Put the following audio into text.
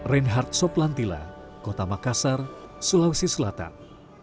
reinhardt soplantilla kota makassar sulawesi selatan